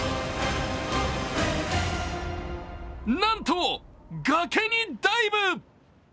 なんと崖にダイブ！